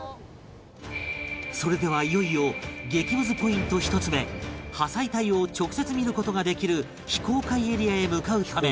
それではいよいよ激ムズポイント１つ目破砕帯を直接見る事ができる非公開エリアへ向かうため